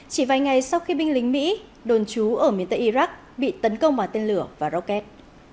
chỉ vài ngày sau khi binh lính mỹ đồn trú ở miền tây iraq bị tấn công bằng tên lửa và rocket